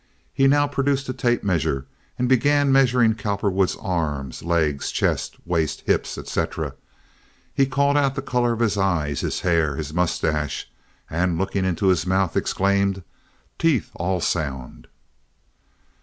He now produced a tape measure and began measuring Cowperwood's arms, legs, chest, waist, hips, etc. He called out the color of his eyes, his hair, his mustache, and, looking into his mouth, exclaimed, "Teeth, all sound."